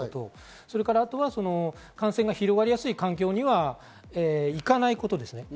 それからあとは感染が広がりやすい環境には行かないことですね。